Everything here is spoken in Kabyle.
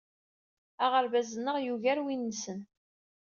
Aɣerbaz-nneɣ yugar win-nsen.